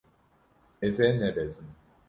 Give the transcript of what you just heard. Ez ê nebezim.